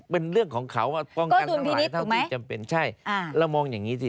เป็นเรื่องของเขาว่าป้องกันหลายเท่าที่จำเป็นใช่อ่าแล้วมองอย่างงี้สิ